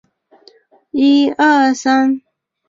中央线